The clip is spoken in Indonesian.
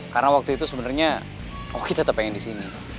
karena waktu itu sebenernya oki tetep pengen disini